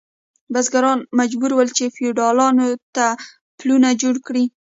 بزګران مجبور ول چې فیوډالانو ته پلونه جوړ کړي.